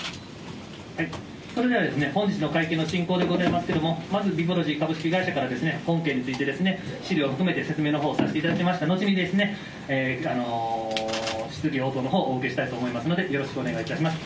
それでは、本日の会見の進行ですけれども、まずビプロジー株式会社から本件について、資料を含めて説明のほうさせていただきました後に、質疑応答のほう、お受けしたいと思いますので、よろしくお願いいたします。